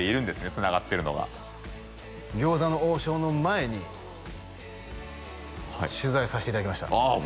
つながってるのが餃子の王将の前に取材させていただきましたああ